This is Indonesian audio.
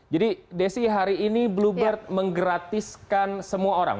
jadi desi hari ini bluebird menggratiskan semua orang